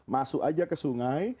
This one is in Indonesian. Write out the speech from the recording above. masuk aja ke sungai